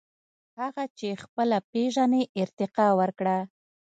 • هغه چې خپله پېژنې، ارتقاء ورکړه.